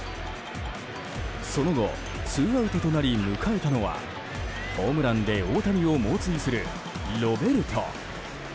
その後ツーアウトとなり迎えたのはホームランで大谷を猛追するロベルト。